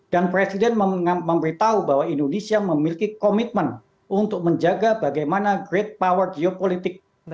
dan presiden memberitahu bahwa indonesia memiliki komitmen untuk menjaga bagaimana great power geopolitics